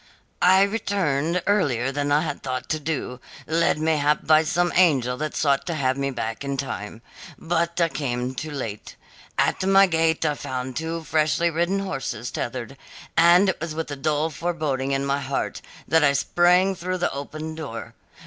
"I returned earlier than I had thought to do, led mayhap by some angel that sought to have me back in time. But I came too late. At my gate I found two freshly ridden horses tethered, and it was with a dull foreboding in my heart that I sprang through the open door.